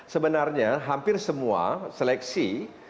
sebenarnya hampir semua seleksi